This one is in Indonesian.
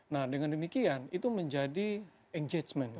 nah dengan demikian itu menjadi engagement